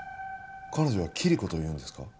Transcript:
彼女はキリコというんですか？